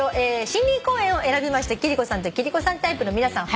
「森林公園」を選びました貴理子さんと貴理子さんタイプの皆さん